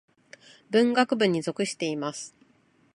文学部に属しています。